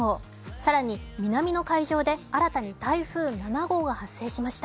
更に南の海上で新たに台風７号が発生しました。